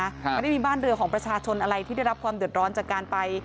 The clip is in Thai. ไม่ได้มีบ้านเรือของประชาชนอะไรที่ได้รับความเดือดร้อนจากการไป